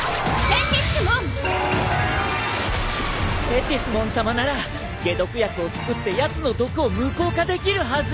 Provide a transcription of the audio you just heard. テティスモンさまなら解毒薬を作ってやつの毒を無効化できるはず。